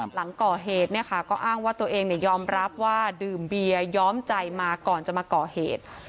หลังก่อเหตุเนี่ยค่ะก็อ้างว่าตัวเองยอมรับว่าดื่มเบียย้อมใจมาก่อนจะมาก่อเหตุ